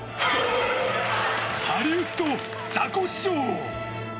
ハリウッドザコシショウ！